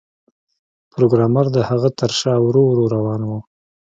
پروګرامر د هغه تر شا ورو ورو روان و